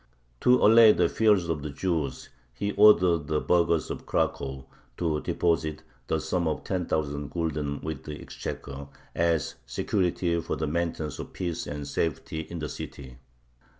To allay the fears of the Jews he ordered the burghers of Cracow to deposit the sum of ten thousand gulden with the exchequer as security for the maintenance of peace and safety in the city.